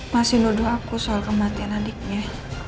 masih nuduh aku soal kematian adiknya